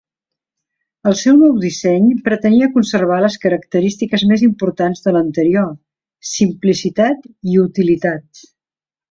El seu nou disseny pretenia conservar les característiques més importants de l'anterior: simplicitat i utilitat.